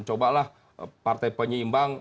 cobalah partai penyimbang